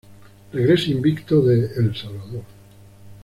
Regresa invicto de El Salvador.